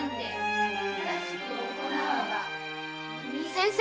先生！